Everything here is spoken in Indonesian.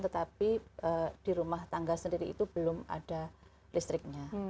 tetapi di rumah tangga sendiri itu belum ada listriknya